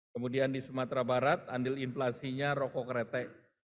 kemudian di sumatera barat andil inflasinya rokok kretek